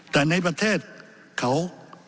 แต่ในประเทศเขา